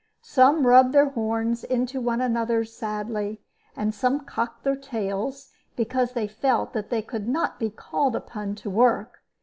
Some rubbed their horns into one another's sadly, and some cocked their tails because they felt that they could not be called upon to work.